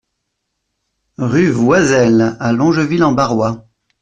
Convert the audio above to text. Rue Voiselle à Longeville-en-Barrois